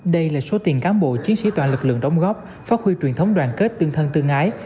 đây là số tiền cán bộ chiến sĩ toàn lực lượng đóng góp phát huy truyền thống đoàn kết tương thân tương ái